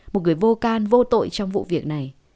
một người vô can vô tội trong vụ việc này